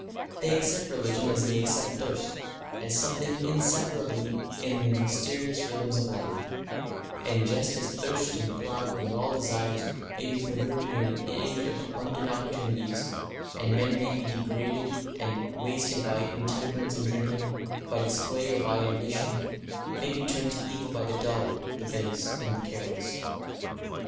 They accept Religion as they accept Thirst, as something inseparably in the mysterious rhythms of life. And just as thirst and pride and all desires may be perverted in an age of abundant opportunities, and men may be degraded and wasted by intemperance in drinking, by display, or by ambition, so too the nobler complex of desires that constitutes religion may be turned to evil by the dull, the base, and the careless.